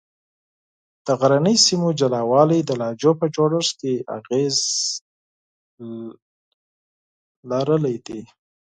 د غرنیو سیمو جلا والي د لهجو په جوړښت کې اغېز درلودلی دی.